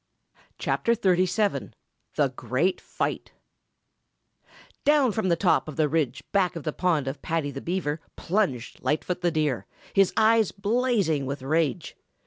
CHAPTER XXXVII THE GREAT FIGHT Down from the top of the ridge back of the pond of Paddy the Beaver plunged Lightfoot the Deer, his eyes blazing with rage.